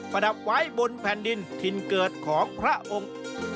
ประดับไว้บนแผ่นดินถิ่นเกิดของพระองค์